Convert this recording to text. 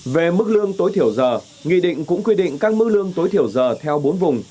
về mức lương tối thiểu giờ nghị định cũng quy định các mức lương tối thiểu giờ theo bốn vùng